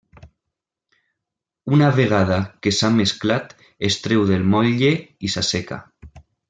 Una vegada que s'ha mesclat, es treu del motlle i s'asseca.